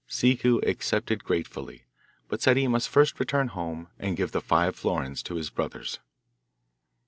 Ciccu accepted gratefully, but said he must first return home and give the five florins to his brothers.